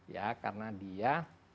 ya karena dia